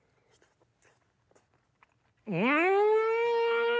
うん！